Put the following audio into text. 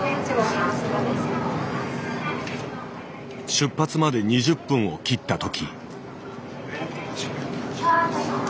☎出発まで２０分を切った時。